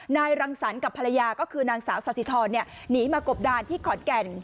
นายรังสรกับภรรยาก็คือนางสาวซาซิทรเนี้ยหนีมากบด้านที่ขอดแก่น